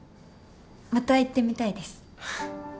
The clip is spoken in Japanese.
また行ってみたいです。